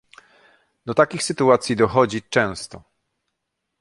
Do takich sytuacji dochodzi często